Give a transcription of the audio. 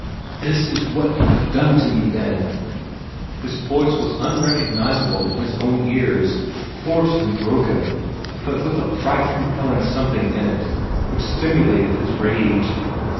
"This is what you have done to me, then!" His voice was unrecognizable in his own ears hoarse and broken, but with a fright compelling something in it which stimulated his rage.